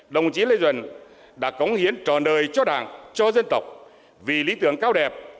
đồng chí lê duẩn đã cống hiến trọn đời cho đảng cho dân tộc vì lý tưởng cao đẹp